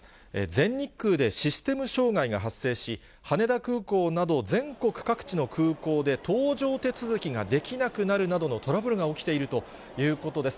全日空でシステム障害が発生し、羽田空港など全国各地の空港で搭乗手続きができなくなるなどのトラブルが起きているということです。